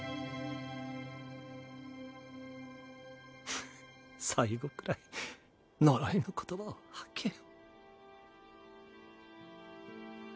ふっ最期くらい呪いの言葉を吐けよ。